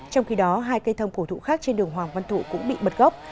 trong khi đó hai cây thông cổ thụ khác trên đường hoàng văn thụ cũng bị bật gốc